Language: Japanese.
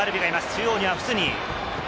中央にはフスニ。